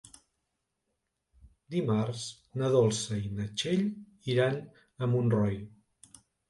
Dimarts na Dolça i na Txell iran a Montroi.